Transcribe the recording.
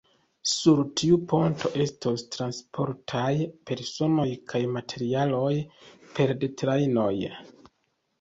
Sur tiu ponto estos transportataj personoj kaj materialoj pere de trajnoj.